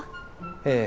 ええ。